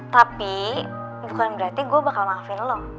tapi bukan berarti gue bakal maafin lo